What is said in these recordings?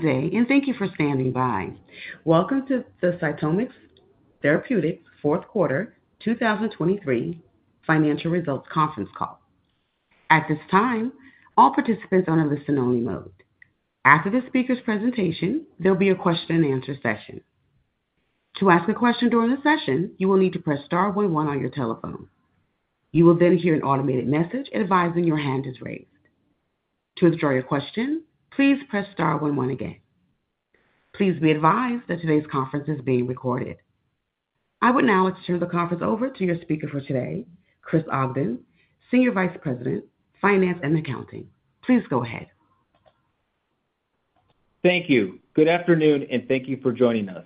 Good day, and thank you for standing by. Welcome to the CytomX Therapeutics 4th Quarter 2023 Financial Results Conference Call. At this time, all participants are in listen-only mode. After the speaker's presentation, there'll be a question-and-answer session. To ask a question during the session, you will need to press star one one on your telephone. You will then hear an automated message advising your hand is raised. To withdraw your question, please press star one one again. Please be advised that today's conference is being recorded. I would now like to turn the conference over to your speaker for today, Chris Ogden, Senior Vice President, Finance and Accounting. Please go ahead. Thank you. Good afternoon, and thank you for joining us.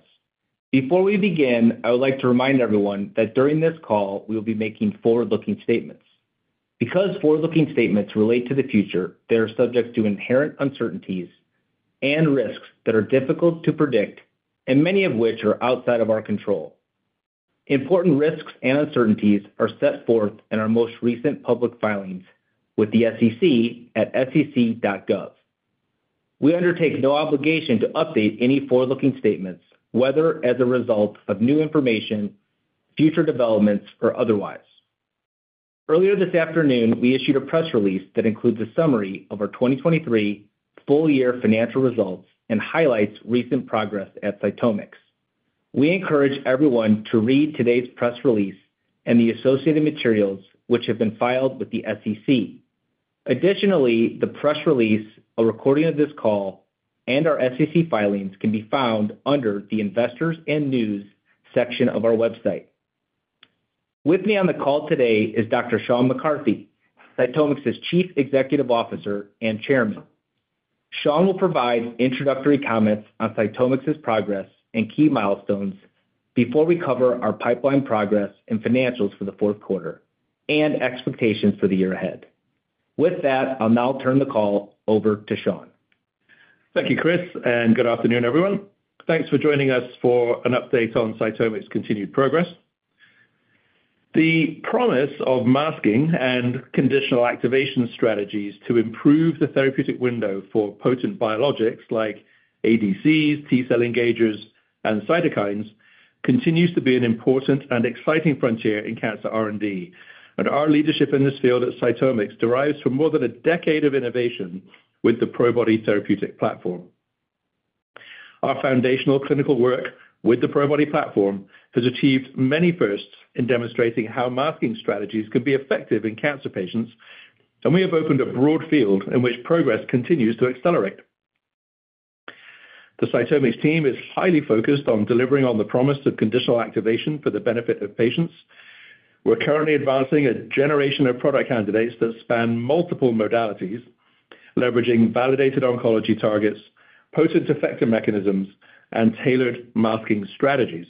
Before we begin, I would like to remind everyone that during this call we will be making forward-looking statements. Because forward looking statements relate to the future, they are subject to inherent uncertainties and risks that are difficult to predict, and many of which are outside of our control. Important risks and uncertainties are set forth in our most recent public filings with the SEC at SEC.gov. We undertake no obligation to update any forward-looking statements, whether as a result of new information, future developments, or otherwise. Earlier this afternoon, we issued a press release that includes a summary of our 2023 full-year financial results and highlights recent progress at CytomX. We encourage everyone to read today's press release and the associated materials, which have been filed with the SEC. Additionally, the press release, a recording of this call, and our SEC filings can be found under the Investors and News section of our website. With me on the call today is Dr. Sean McCarthy, CytomX's Chief Executive Officer and Chairman. Sean will provide introductory comments on CytomX's progress and key milestones before we cover our pipeline progress in financials for the fourth quarter and expectations for the year ahead. With that, I'll now turn the call over to Sean. Thank you, Chris, and good afternoon, everyone. Thanks for joining us for an update on CytomX's continued progress. The promise of masking and conditional activation strategies to improve the therapeutic window for potent biologics like ADCs, T-cell engagers, and cytokines continues to be an important and exciting frontier in cancer R&D. Our leadership in this field at CytomX derives from more than a decade of innovation with the Probody Therapeutic platform. Our foundational clinical work with the Probody platform has achieved many firsts in demonstrating how masking strategies can be effective in cancer patients, and we have opened a broad field in which progress continues to accelerate. The CytomX team is highly focused on delivering on the promise of conditional activation for the benefit of patients. We're currently advancing a generation of product candidates that span multiple modalities, leveraging validated oncology targets, potent effector mechanisms, and tailored masking strategies.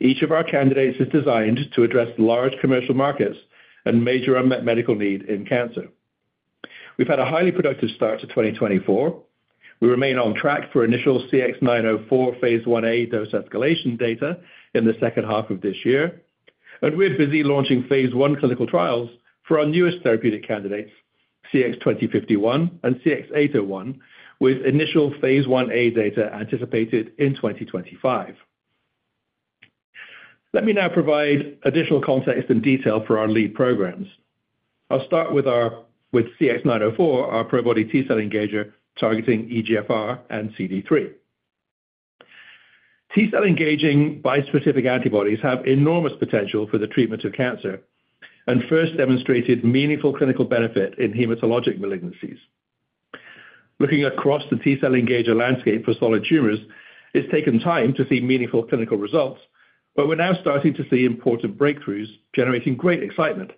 Each of our candidates is designed to address large commercial markets and major unmet medical needs in cancer. We've had a highly productive start to 2024. We remain on track for initial CX-904 phase IA dose escalation data in the second half of this year, and we're busy launching phase I clinical trials for our newest therapeutic candidates, CX-2051 and CX-801, with initial phase IA data anticipated in 2025. Let me now provide additional context and detail for our lead programs. I'll start with CX-904, our Probody T-cell engager targeting EGFR and CD3. T-cell engaging bispecific antibodies have enormous potential for the treatment of cancer and first demonstrated meaningful clinical benefit in hematologic malignancies. Looking across the T-cell engager landscape for solid tumors, it's taken time to see meaningful clinical results, but we're now starting to see important breakthroughs generating great excitement.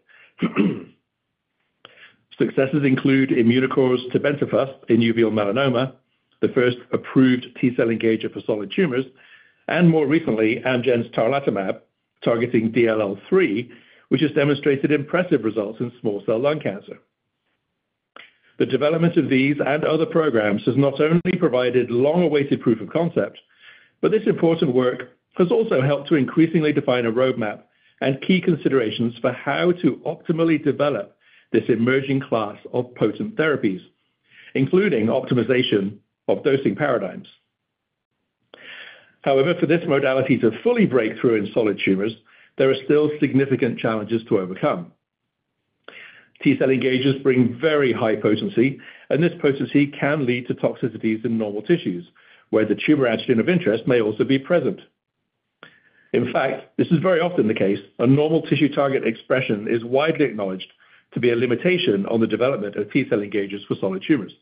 Successes include Immunocore's tebentafusp in uveal melanoma, the first approved T-cell engager for solid tumors, and more recently, Amgen's tarlatamab targeting DLL3, which has demonstrated impressive results in small cell lung cancer. The development of these and other programs has not only provided long-awaited proof of concept, but this important work has also helped to increasingly define a roadmap and key considerations for how to optimally develop this emerging class of potent therapies, including optimization of dosing paradigms. However, for this modality to fully break through in solid tumors, there are still significant challenges to overcome. T-cell engagers bring very high potency, and this potency can lead to toxicities in normal tissues, where the tumor antigen of interest may also be present. In fact, this is very often the case, and normal tissue target expression is widely acknowledged to be a limitation on the development of T-cell engagers for solid tumors.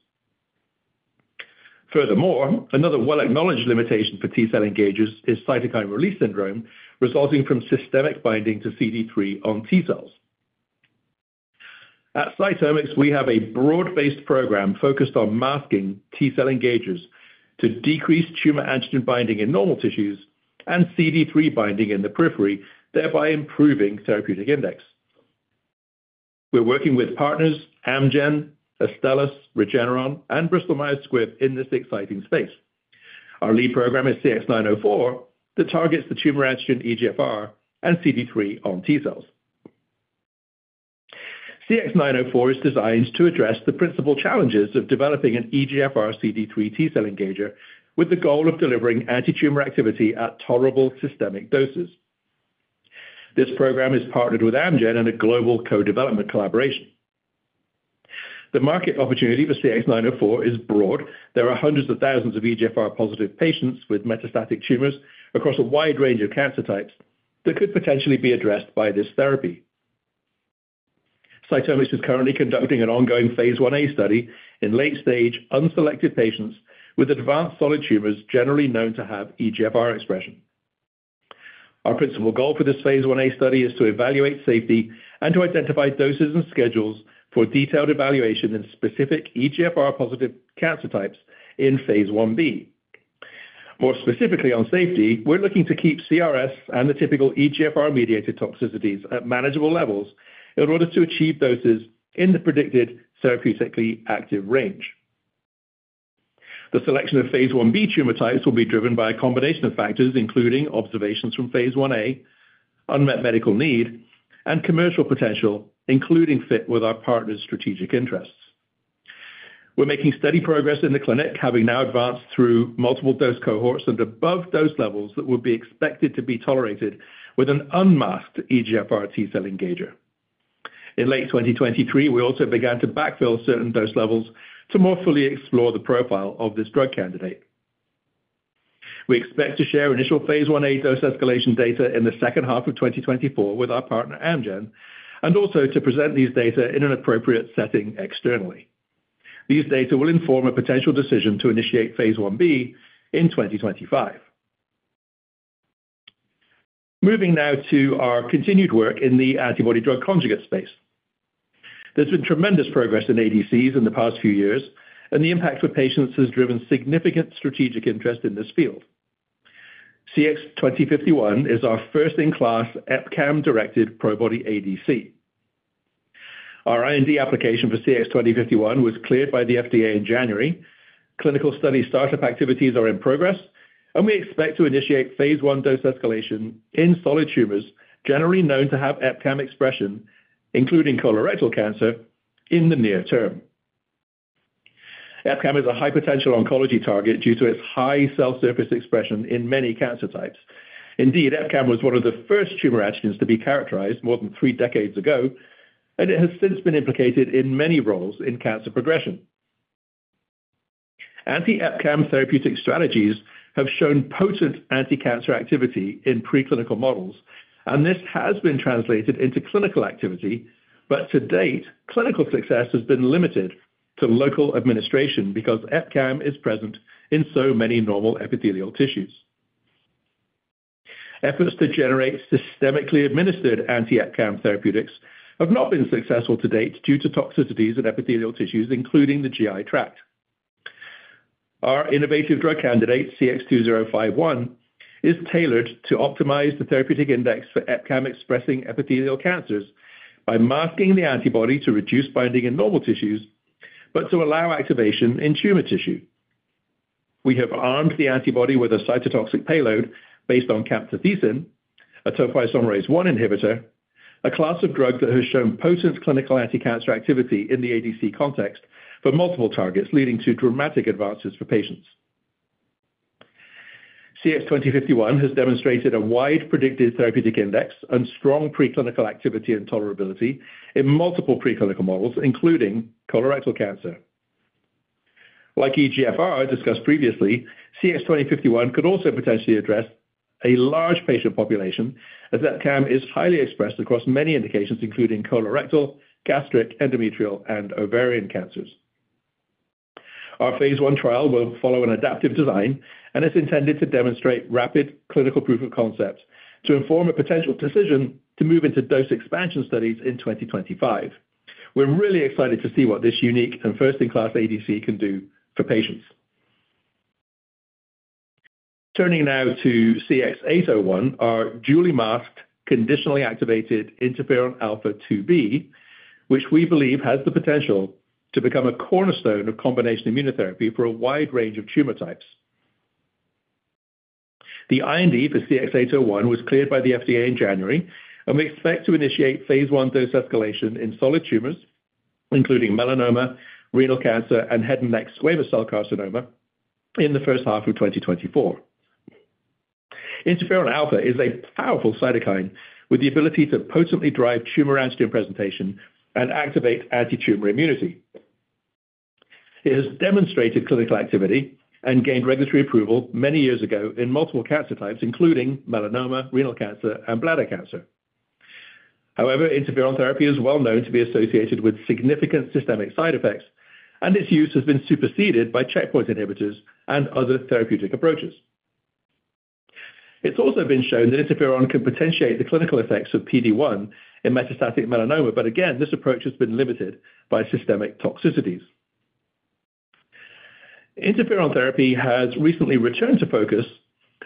Furthermore, another well-acknowledged limitation for T-cell engagers is cytokine release syndrome resulting from systemic binding to CD3 on T cells. At CytomX, we have a broad-based program focused on masking T-cell engagers to decrease tumor antigen binding in normal tissues and CD3 binding in the periphery, thereby improving therapeutic index. We're working with partners, Amgen, Astellas, Regeneron, and Bristol-Myers Squibb in this exciting space. Our lead program is CX-904, that targets the tumor antigen EGFR and CD3 on T cells. CX-904 is designed to address the principal challenges of developing an EGFR CD3 T-cell engager with the goal of delivering anti-tumor activity at tolerable systemic doses. This program is partnered with Amgen in a global co-development collaboration. The market opportunity for CX-904 is broad. There are hundreds of thousands of EGFR-positive patients with metastatic tumors across a wide range of cancer types that could potentially be addressed by this therapy. CytomX is currently conducting an ongoing phase IA study in late-stage, unselected patients with advanced solid tumors generally known to have EGFR expression. Our principal goal for this phase IA study is to evaluate safety and to identify doses and schedules for detailed evaluation in specific EGFR-positive cancer types in phase IB. More specifically on safety, we're looking to keep CRS and the typical EGFR-mediated toxicities at manageable levels in order to achieve doses in the predicted therapeutically active range. The selection of phase IB tumor types will be driven by a combination of factors, including observations from phase IA, unmet medical need, and commercial potential, including fit with our partner's strategic interests. We're making steady progress in the clinic, having now advanced through multiple dose cohorts and above dose levels that would be expected to be tolerated with an unmasked EGFR T-cell engager. In late 2023, we also began to backfill certain dose levels to more fully explore the profile of this drug candidate. We expect to share initial phase IA dose escalation data in the second half of 2024 with our partner, Amgen, and also to present these data in an appropriate setting externally. These data will inform a potential decision to initiate phase IB in 2025. Moving now to our continued work in the antibody-drug conjugate space. There's been tremendous progress in ADCs in the past few years, and the impact with patients has driven significant strategic interest in this field. CX-2051 is our first-in-class EpCAM-directed Probody ADC. Our IND application for CX-2051 was cleared by the FDA in January. Clinical study startup activities are in progress, and we expect to initiate phase I dose escalation in solid tumors generally known to have EpCAM expression, including colorectal cancer, in the near term. EpCAM is a high-potential oncology target due to its high cell surface expression in many cancer types. Indeed, EpCAM was one of the first tumor antigens to be characterized more than three decades ago, and it has since been implicated in many roles in cancer progression. Anti-EpCAM therapeutic strategies have shown potent anti-cancer activity in preclinical models, and this has been translated into clinical activity. But to date, clinical success has been limited to local administration because EpCAM is present in so many normal epithelial tissues. Efforts to generate systemically administered anti-EpCAM therapeutics have not been successful to date due to toxicities in epithelial tissues, including the GI tract. Our innovative drug candidate, CX-2051, is tailored to optimize the therapeutic index for EpCAM-expressing epithelial cancers by masking the antibody to reduce binding in normal tissues, but to allow activation in tumor tissue. We have armed the antibody with a cytotoxic payload based on camptothecin, a topoisomerase 1 inhibitor, a class of drug that has shown potent clinical anti-cancer activity in the ADC context for multiple targets, leading to dramatic advances for patients. CX-2051 has demonstrated a wide predicted therapeutic index and strong preclinical activity and tolerability in multiple preclinical models, including colorectal cancer. Like EGFR discussed previously, CX-2051 could also potentially address a large patient population, as EpCAM is highly expressed across many indications, including colorectal, gastric, endometrial, and ovarian cancers. Our phase I trial will follow an adaptive design, and it's intended to demonstrate rapid clinical proof of concept to inform a potential decision to move into dose expansion studies in 2025. We're really excited to see what this unique and first-in-class ADC can do for patients. Turning now to CX-801, our dually masked, conditionally activated interferon alpha-2b, which we believe has the potential to become a cornerstone of combination immunotherapy for a wide range of tumor types. The IND for CX-801 was cleared by the FDA in January, and we expect to initiate phase I dose escalation in solid tumors, including melanoma, renal cancer, and head and neck squamous cell carcinoma in the first half of 2024. Interferon alpha is a powerful cytokine with the ability to potently drive tumor antigen presentation and activate anti-tumor immunity. It has demonstrated clinical activity and gained regulatory approval many years ago in multiple cancer types, including melanoma, renal cancer, and bladder cancer. However, interferon therapy is well known to be associated with significant systemic side effects, and its use has been superseded by checkpoint inhibitors and other therapeutic approaches. It's also been shown that interferon can potentiate the clinical effects of PD-1 in metastatic melanoma, but again, this approach has been limited by systemic toxicities. Interferon therapy has recently returned to focus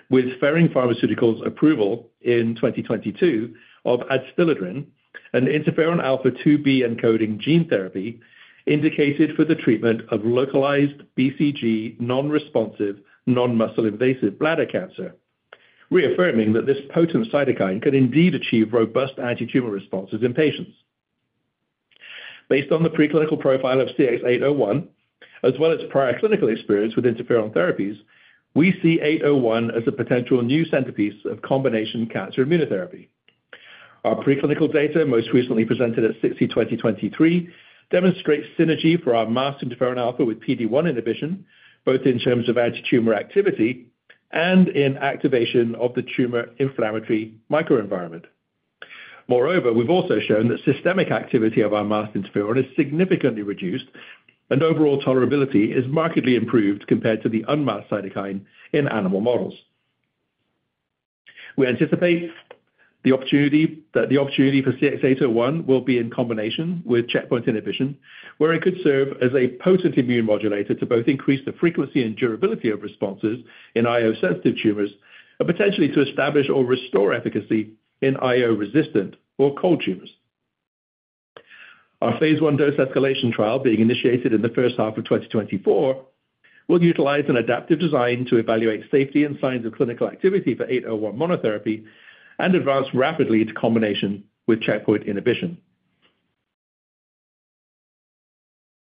with Ferring Pharmaceuticals' approval in 2022 of Adstiladrin, an interferon alpha-2b encoding gene therapy indicated for the treatment of localized BCG non-responsive, non-muscle invasive bladder cancer, reaffirming that this potent cytokine can indeed achieve robust anti-tumor responses in patients. Based on the preclinical profile of CX-801, as well as prior clinical experience with interferon therapies, we see 801 as a potential new centerpiece of combination cancer immunotherapy. Our preclinical data, most recently presented at SITC 2023, demonstrates synergy for our masked interferon alpha with PD-1 inhibition, both in terms of anti-tumor activity and in activation of the tumor inflammatory microenvironment. Moreover, we've also shown that systemic activity of our masked interferon is significantly reduced, and overall tolerability is markedly improved compared to the unmasked cytokine in animal models. We anticipate the opportunity for CX-801 will be in combination with checkpoint inhibition, where it could serve as a potent immune modulator to both increase the frequency and durability of responses in IO-sensitive tumors, and potentially to establish or restore efficacy in IO-resistant or cold tumors. Our phase I dose escalation trial, being initiated in the first half of 2024, will utilize an adaptive design to evaluate safety and signs of clinical activity for 801 monotherapy and advance rapidly to combination with checkpoint inhibition.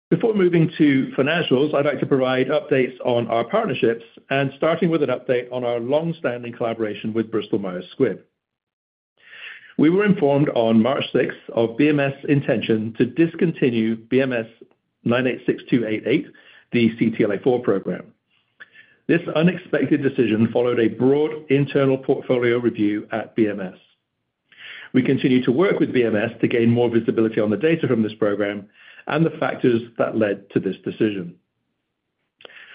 Before moving to financials, I'd like to provide updates on our partnerships, and starting with an update on our longstanding collaboration with Bristol-Myers Squibb. We were informed on March 6th of BMS' intention to discontinue BMS-986288, the CTLA-4 program. This unexpected decision followed a broad internal portfolio review at BMS. We continue to work with BMS to gain more visibility on the data from this program and the factors that led to this decision.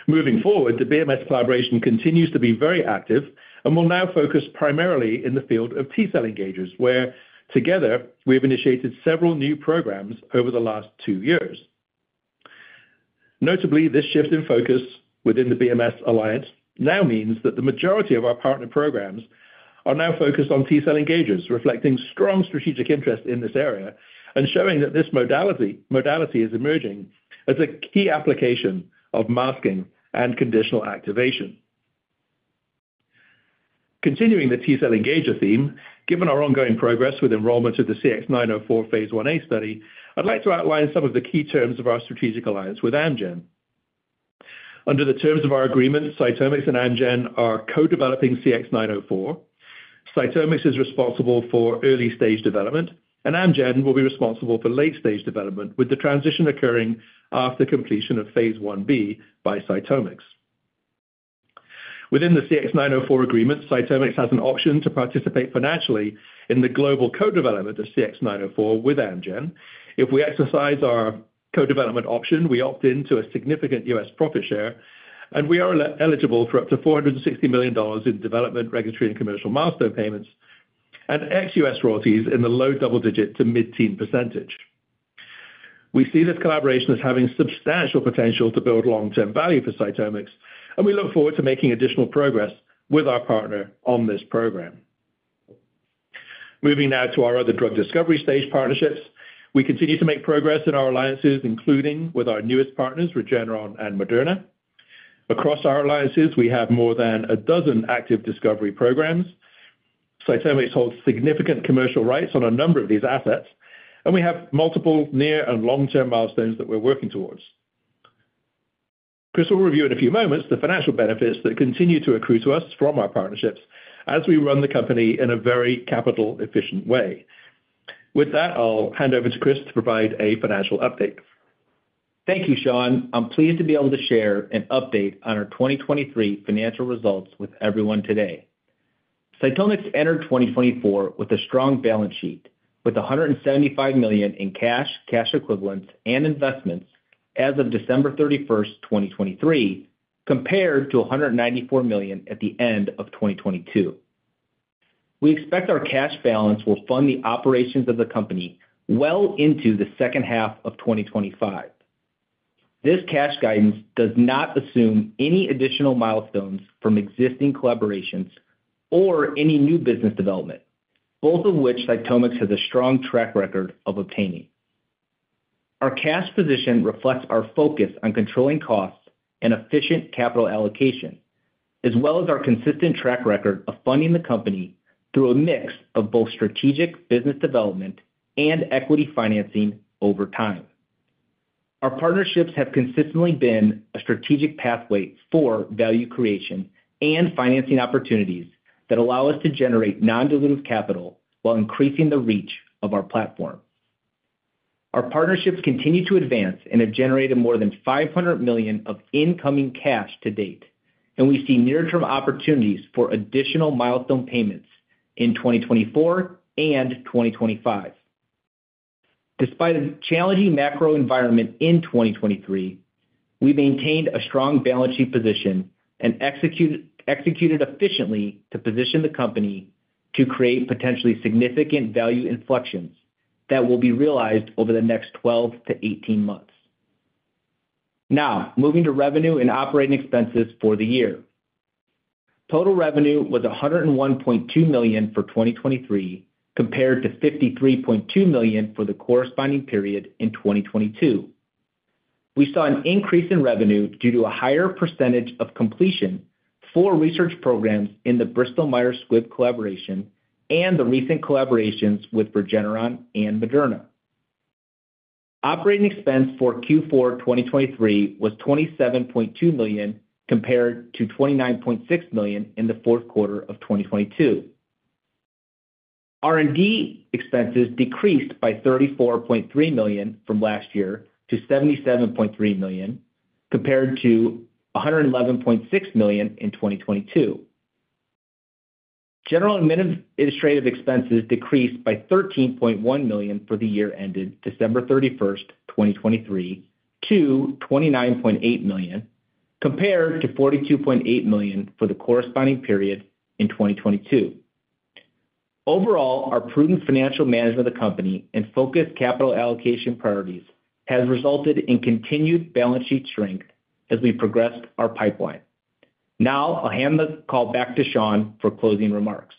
Moving forward, the BMS collaboration continues to be very active and will now focus primarily in the field of T-cell engagers, where together we have initiated several new programs over the last two years. Notably, this shift in focus within the BMS alliance now means that the majority of our partner programs are now focused on T-cell engagers, reflecting strong strategic interest in this area and showing that this modality is emerging as a key application of masking and conditional activation. Continuing the T-cell engager theme, given our ongoing progress with enrollment of the CX-904 phase IA study, I'd like to outline some of the key terms of our strategic alliance with Amgen. Under the terms of our agreement, CytomX and Amgen are co-developing CX-904. CytomX is responsible for early-stage development, and Amgen will be responsible for late-stage development, with the transition occurring after completion of phase IB by CytomX. Within the CX-904 agreement, CytomX has an option to participate financially in the global co-development of CX-904 with Amgen. If we exercise our co-development option, we opt into a significant U.S. profit share, and we are eligible for up to $460 million in development, regulatory, and commercial milestone payments and ex-U.S. royalties in the low double-digit to mid-teen %. We see this collaboration as having substantial potential to build long-term value for CytomX, and we look forward to making additional progress with our partner on this program. Moving now to our other drug discovery stage partnerships, we continue to make progress in our alliances, including with our newest partners, Regeneron and Moderna. Across our alliances, we have more than a dozen active discovery programs. CytomX holds significant commercial rights on a number of these assets, and we have multiple near and long-term milestones that we're working towards. Chris will review in a few moments the financial benefits that continue to accrue to us from our partnerships as we run the company in a very capital-efficient way. With that, I'll hand over to Chris to provide a financial update. Thank you, Sean. I'm pleased to be able to share an update on our 2023 financial results with everyone today. CytomX entered 2024 with a strong balance sheet, with $175 million in cash, cash equivalents, and investments as of December 31st, 2023, compared to $194 million at the end of 2022. We expect our cash balance will fund the operations of the company well into the second half of 2025. This cash guidance does not assume any additional milestones from existing collaborations or any new business development, both of which CytomX has a strong track record of obtaining. Our cash position reflects our focus on controlling costs and efficient capital allocation, as well as our consistent track record of funding the company through a mix of both strategic business development and equity financing over time. Our partnerships have consistently been a strategic pathway for value creation and financing opportunities that allow us to generate non-dilutive capital while increasing the reach of our platform. Our partnerships continue to advance and have generated more than $500 million of incoming cash to date, and we see near-term opportunities for additional milestone payments in 2024 and 2025. Despite a challenging macro environment in 2023, we maintained a strong balance sheet position and executed efficiently to position the company to create potentially significant value inflections that will be realized over the next 12 to 18 months. Now, moving to revenue and operating expenses for the year. Total revenue was $101.2 million for 2023, compared to $53.2 million for the corresponding period in 2022. We saw an increase in revenue due to a higher percentage of completion for research programs in the Bristol-Myers Squibb collaboration and the recent collaborations with Regeneron and Moderna. Operating expense for Q4 2023 was $27.2 million, compared to $29.6 million in the fourth quarter of 2022. R&D expenses decreased by $34.3 million from last year to $77.3 million, compared to $111.6 million in 2022. General administrative expenses decreased by $13.1 million for the year ended December 31st, 2023, to $29.8 million, compared to $42.8 million for the corresponding period in 2022. Overall, our prudent financial management of the company and focused capital allocation priorities have resulted in continued balance sheet strength as we progressed our pipeline. Now, I'll hand the call back to Sean for closing remarks.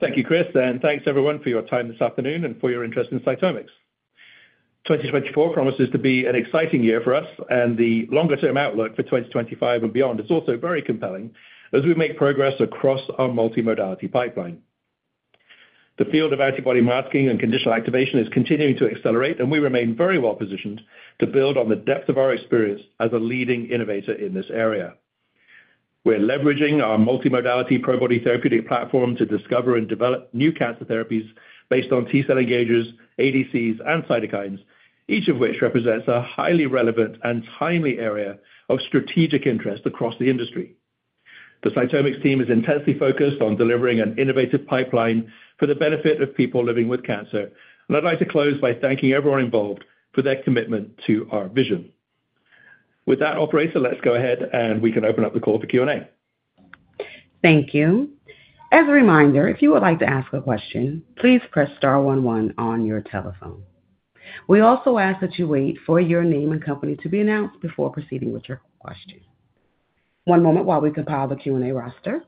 Thank you, Chris, and thanks, everyone, for your time this afternoon and for your interest in CytomX. 2024 promises to be an exciting year for us, and the longer-term outlook for 2025 and beyond is also very compelling as we make progress across our multimodality pipeline. The field of antibody masking and conditional activation is continuing to accelerate, and we remain very well positioned to build on the depth of our experience as a leading innovator in this area. We're leveraging our multimodality Probody therapeutic platform to discover and develop new cancer therapies based on T-cell engagers, ADCs, and cytokines, each of which represents a highly relevant and timely area of strategic interest across the industry. The CytomX team is intensely focused on delivering an innovative pipeline for the benefit of people living with cancer, and I'd like to close by thanking everyone involved for their commitment to our vision. With that, operator, let's go ahead, and we can open up the call for Q&A. Thank you. As a reminder, if you would like to ask a question, please press star 11 on your telephone. We also ask that you wait for your name and company to be announced before proceeding with your question. One moment while we compile the Q&A roster.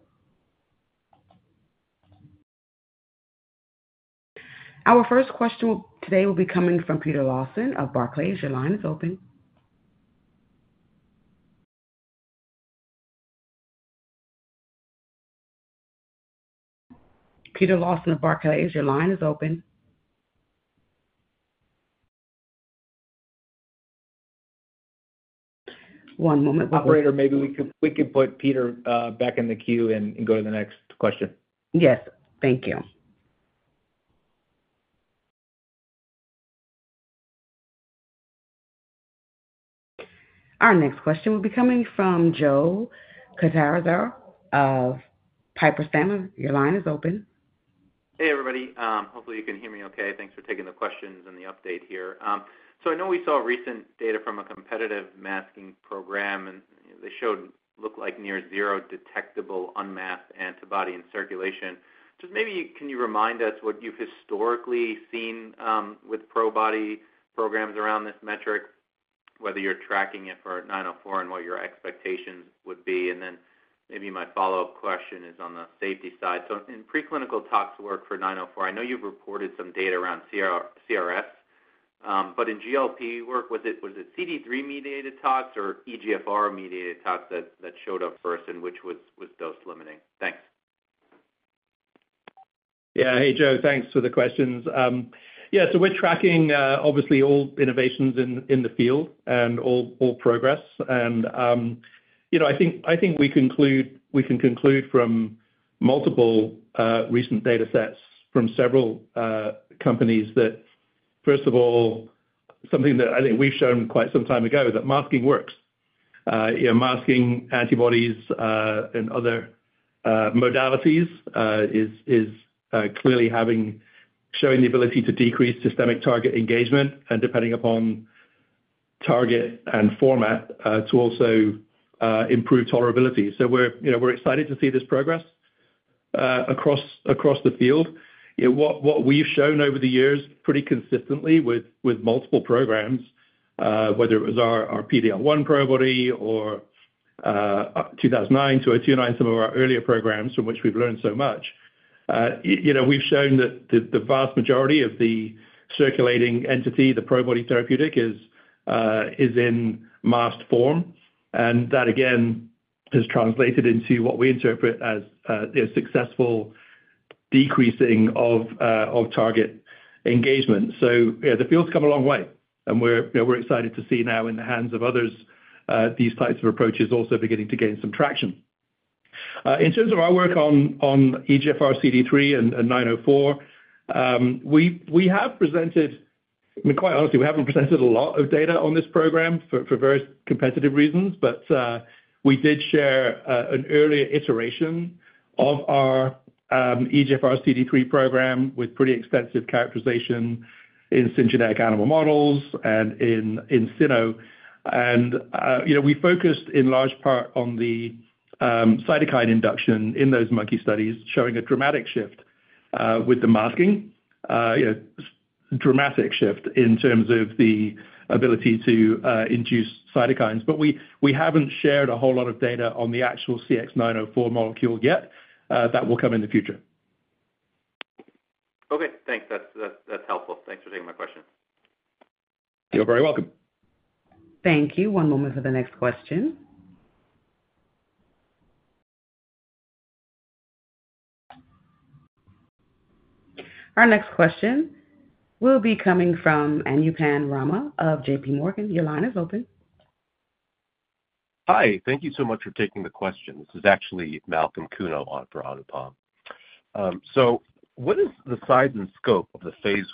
Our first question today will be coming from Peter Lawson of Barclays. Your line is open. Peter Lawson of Barclays, your line is open. One moment. Operator, maybe we could put Peter back in the queue and go to the next question. Yes. Thank you. Our next question will be coming from Joe Catanzaro of Piper Sandler. Your line is open. Hey, everybody. Hopefully, you can hear me okay. Thanks for taking the questions and the update here. So I know we saw recent data from a competitive masking program, and they showed what looked like near zero detectable unmasked antibody in circulation. Just maybe can you remind us what you've historically seen with Probody programs around this metric, whether you're tracking it for 904 and what your expectations would be? And then maybe my follow-up question is on the safety side. So in preclinical tox work for 904, I know you've reported some data around CRS, but in GLP work, was it CD3-mediated tox or EGFR-mediated tox that showed up first, and which was dose limiting? Thanks. Yeah. Hey, Joe. Thanks for the questions. Yeah. So we're tracking, obviously, all innovations in the field and all progress. And I think we can conclude from multiple recent data sets from several companies that, first of all, something that I think we've shown quite some time ago, that masking works. Masking antibodies and other modalities is clearly showing the ability to decrease systemic target engagement and, depending upon target and format, to also improve tolerability. So we're excited to see this progress across the field. What we've shown over the years, pretty consistently with multiple programs, whether it was our PD-L1 Probody or CX-2009 to CX-2012 and then some of our earlier programs from which we've learned so much, we've shown that the vast majority of the circulating entity, the Probody therapeutic, is in masked form. And that, again, has translated into what we interpret as a successful decreasing of target engagement. So the field's come a long way, and we're excited to see now in the hands of others these types of approaches also beginning to gain some traction. In terms of our work on EGFR, CD3, and CX-904, we have presented, I mean, quite honestly, we haven't presented a lot of data on this program for various competitive reasons, but we did share an earlier iteration of our EGFR, CD3 program with pretty extensive characterization in syngeneic animal models and in cyno. And we focused in large part on the cytokine induction in those monkey studies, showing a dramatic shift with the masking, a dramatic shift in terms of the ability to induce cytokines. But we haven't shared a whole lot of data on the actual CX-904 molecule yet. That will come in the future. Okay. Thanks. That's helpful. Thanks for taking my question. You're very welcome. Thank you. One moment for the next question. Our next question will be coming from Anupam Rama of J.P. Morgan. Your line is open. Hi. Thank you so much for taking the question. This is actually Malcolm Kuno for Anupam. So what is the size and scope of the phase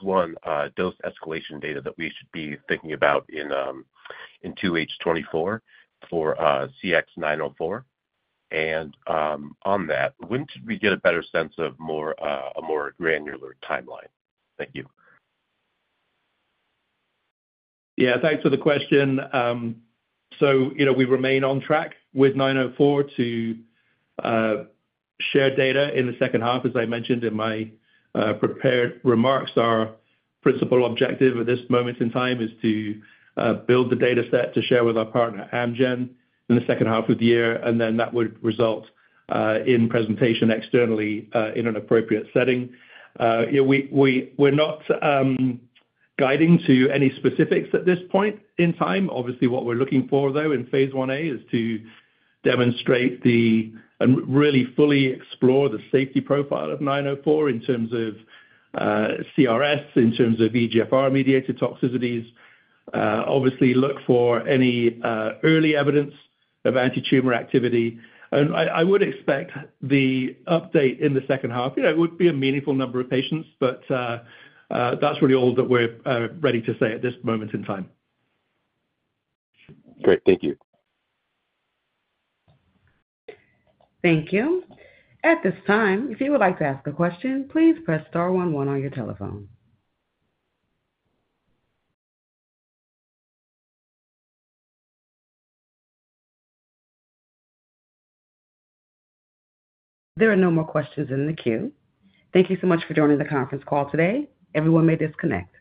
I dose escalation data that we should be thinking about in 2H24 for CX-904? And on that, when should we get a better sense of a more granular timeline? Thank you. Yeah. Thanks for the question. So we remain on track with 904 to share data in the second half. As I mentioned in my prepared remarks, our principal objective at this moment in time is to build the data set to share with our partner, Amgen, in the second half of the year, and then that would result in presentation externally in an appropriate setting. We're not guiding to any specifics at this point in time. Obviously, what we're looking for, though, in phase IA is to demonstrate and really fully explore the safety profile of 904 in terms of CRS, in terms of EGFR-mediated toxicities, obviously, look for any early evidence of antitumor activity. I would expect the update in the second half it would be a meaningful number of patients, but that's really all that we're ready to say at this moment in time. Great. Thank you. Thank you. At this time, if you would like to ask a question, please press star 11 on your telephone. There are no more questions in the queue. Thank you so much for joining the conference call today. Everyone may disconnect.